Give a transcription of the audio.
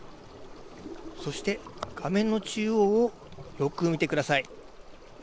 そして、画面の中央をよく見てください。